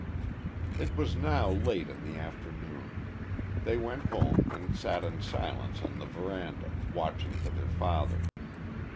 It was now late in the afternoon. They went home and sat in silence on the veranda, watching for their father.